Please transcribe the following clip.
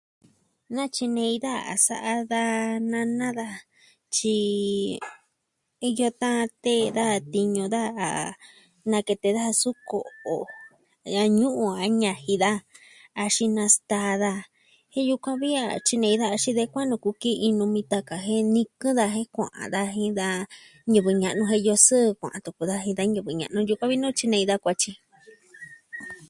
Natyinei da a sa'a daja nana tyi... iyo tan tee da tiñu daja nakete daja su ko'o. da ñuu o ñaji daa axin nastaa daa jen yukuan vi a tyinei daa xi de kua'an nuu kuu ki iin numi taka jen nikɨ daa jen kua'an daja jen da ñivɨ ña'nu jen iyo sɨɨ kua'an tuku daa jin da ñivɨ ña'nu yukuan vi nuu tyinei da kuatyi.